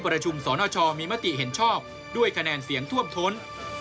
ประชุมสนชมีมติเห็นชอบด้วยคะแนนเสียงท่วมท้น